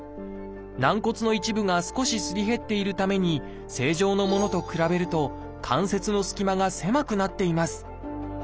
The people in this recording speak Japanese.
軟骨の一部が少しすり減っているために正常のものと比べると関節の隙間が狭くなっています。